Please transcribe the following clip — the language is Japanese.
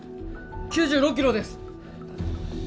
９６キロです！